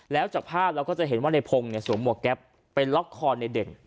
แล้วจากภาพเราก็จะเห็นว่าในพงศ์สวมหวกแก๊ปไปล็อกคอในเด่น